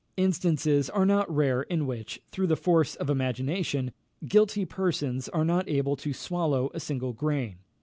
Instances are not rare in which, through the force of imagination, guilty persons are not able to swallow a single grain.